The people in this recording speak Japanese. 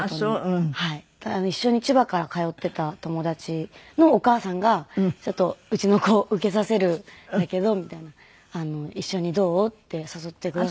一緒に千葉から通っていた友達のお母さんが「ちょっとうちの子受けさせるんだけど」みたいな。「一緒にどう？」って誘ってくださって。